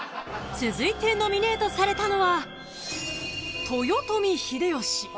［続いてノミネートされたのは］